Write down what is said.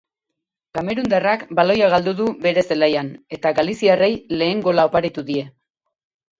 Kamerundarrak baloia galdu du bere zelaian, eta galiziarrei lehen gola oparitu die.